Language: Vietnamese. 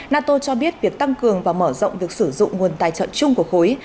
nato cho biết việc tăng cường và mở rộng việc sử dụng nguồn tài trợ chung của khối